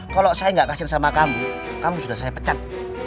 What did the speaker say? kalau saya nggak kasihan sama kamu kamu sudah saya pecat